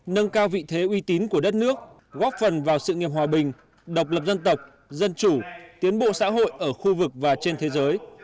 nâng cao vị thế uy tín của đất nước góp phần vào sự nghiệp hòa bình độc lập dân tộc dân chủ tiến bộ xã hội ở khu vực và trên thế giới